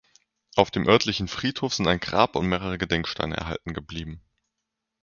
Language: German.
Auf dem örtlichen Friedhof sind ein Grab und mehrere Gedenksteine erhalten geblieben.